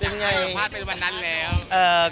หลังจากสังภาษณ์ไปวันนั้นแล้ว